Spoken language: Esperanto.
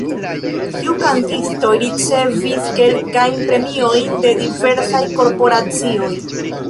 Tiu kantisto ricevis kelkajn premiojn de diversaj korporacioj.